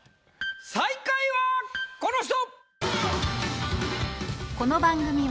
最下位はこの人！